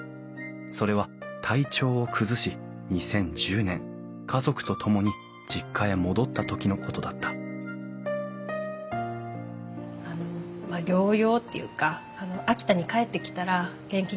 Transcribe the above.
それは体調を崩し２０１０年家族と共に実家へ戻った時のことだった療養っていうか秋田に帰ってきたら元気になるんじゃないかなって思って。